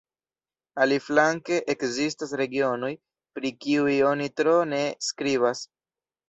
Aliflanke ekzistas regionoj, pri kiuj oni tro ne skribas.